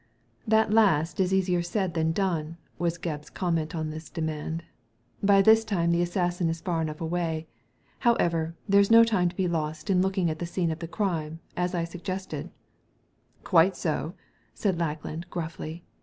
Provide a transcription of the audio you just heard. That last is easier said than done," was Gebb's comment on this demand. '* By this time the assassin is far enough away. However, there's no time to be lost in looking at the scene of the crime, as I suggested" " Quite so," said Lackland, grufBy.